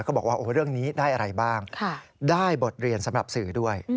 บอกว่าเรื่องนี้ได้อะไรบ้างได้บทเรียนสำหรับสื่อด้วย